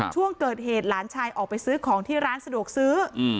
ช่วงเกิดเหตุหลานชายออกไปซื้อของที่ร้านสะดวกซื้อ